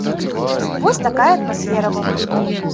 Вось такая атмасфера была.